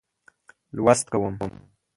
لوست کوم.